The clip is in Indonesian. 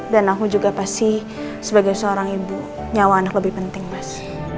dan aku juga pasti sebagai seorang ibu nyawa anak lebih penting mas